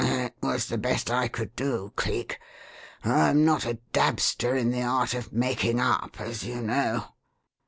"It was the best I could do, Cleek I'm not a dabster in the art of making up, as you know."